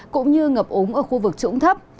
cũng như ngập úng ở khu vực trũng thấp